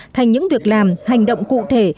thành những việc làm hành động cụ thể